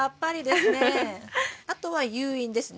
あとは誘引ですね。